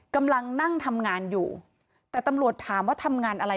กำลังนั่งทำงานอยู่แต่ตำรวจถามว่าทำงานอะไร